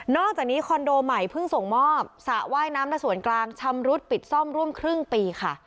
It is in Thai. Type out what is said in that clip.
อกจากนี้คอนโดใหม่เพิ่งส่งมอบสระว่ายน้ำและส่วนกลางชำรุดปิดซ่อมร่วมครึ่งปีค่ะ